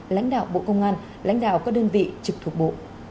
lãnh đạo bộ công an lãnh đạo các đơn vị trực thuộc bộ